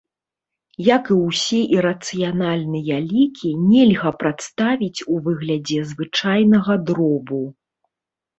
Як і ўсе ірацыянальныя лікі, нельга прадставіць у выглядзе звычайнага дробу.